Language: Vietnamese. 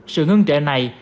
sự ngưng trệ này